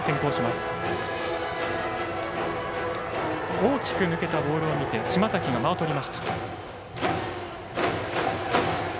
大きく抜けたボールを見て島瀧が間をとりました。